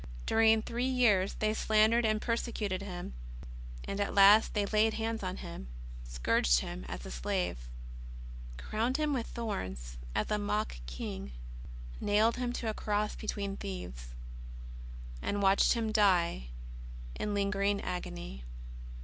During three years they slandered and perse cuted Him. And at last they laid hands on Him, scourged Him as a slave, crowned Him with thorns as a mock king, nailed Him to a cross between thieves, and watched Him die in lingering agony.